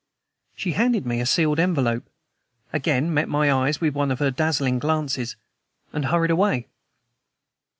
She handed me a sealed envelope, again met my eyes with one of her dazzling glances, and hurried away.